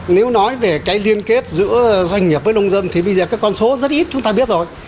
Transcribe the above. nếu nói về cái liên kết giữa doanh nghiệp với nông dân thì bây giờ cái con số rất ít chúng ta biết rồi